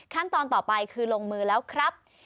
ขั้นตอนต่อไปคือลงมือแล้วครับ